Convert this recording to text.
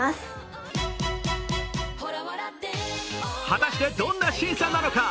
果たして、どんな審査なのか。